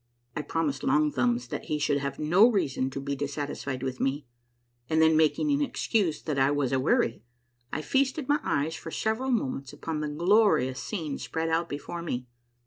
I promised Long Thumbs that he should have no reason to be dissatisfied with me, and then making an excuse that I was a weary, I feasted my eyes for several moments upon the glorious scene spread out before me.